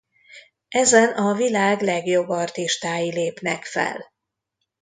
Ezen a világ legjobb artistái lépnek fel.